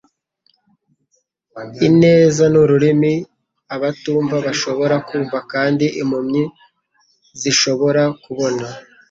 Ineza ni ururimi abatumva bashobora kumva kandi impumyi zishobora kubona